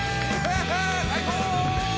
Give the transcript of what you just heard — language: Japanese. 最高！